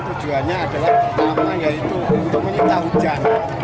tujuannya adalah pertama yaitu untuk menyita hujan